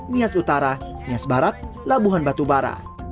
nias utara nias barat labuhan batubara